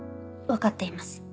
分かっています。